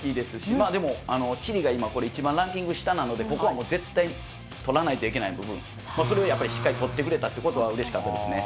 まあでも、チリが今、一番ランキング下なので、ここは絶対に取らないといけない部分、それをしっかりやっぱり取ってくれたということは、うれしかったですね。